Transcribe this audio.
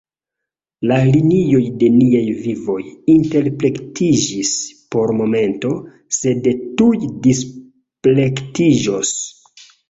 La linioj de niaj vivoj interplektiĝis por momento, sed tuj displektiĝos.